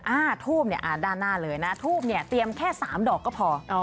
อ่าทูบเนี่ยอ่าด้านหน้าเลยนะทูบเนี่ยเตรียมแค่สามดอกก็พอ